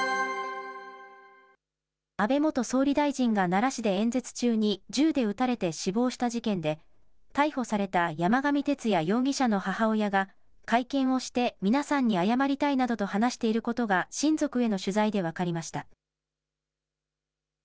安倍元総理大臣が奈良市で演説中に銃で撃たれて死亡した事件で、逮捕された山上徹也容疑者の母親が、会見をして皆さんに謝りたいなどと話していることが親族への取材で分かりました。